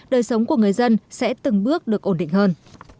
đời sống của người dân sẽ từng bước được ổn định hơn